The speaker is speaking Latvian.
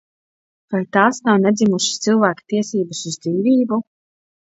Vai tās nav nedzimuša cilvēka tiesības uz dzīvību?